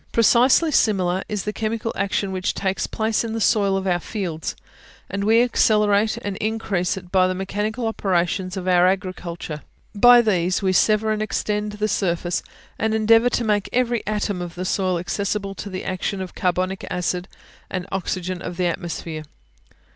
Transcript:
Precisely similar is the chemical action which takes place in the soil of our fields; and we accelerate and increase it by the mechanical operations of our agriculture. By these we sever and extend the surface, and endeavour to make every atom of the soil accessible to the action of the carbonic acid and oxygen of the atmosphere.